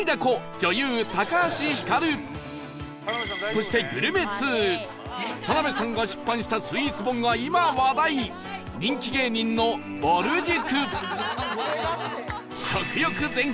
そしてグルメ通田辺さんが出版したスイーツ本が今話題人気芸人のぼる塾